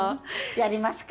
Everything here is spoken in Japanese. やりますか？